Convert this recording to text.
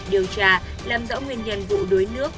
điều tra làm rõ nguyên nhân vụ đối nước